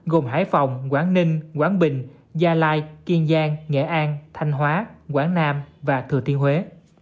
gồm hải phòng quảng ninh quảng bình gia lai kiên giang nghệ an thanh hóa quảng nam và thừa thiên huế